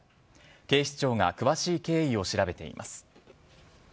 警視庁が詳しい経緯を調べています。